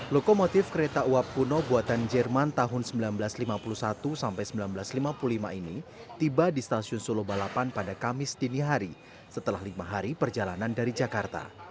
lokomotif kereta uap kuno buatan jerman tahun seribu sembilan ratus lima puluh satu sampai seribu sembilan ratus lima puluh lima ini tiba di stasiun solo balapan pada kamis dini hari setelah lima hari perjalanan dari jakarta